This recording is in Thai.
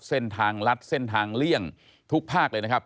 เส้นทางลัดเส้นทางเลี่ยงทุกภาคเลยนะครับ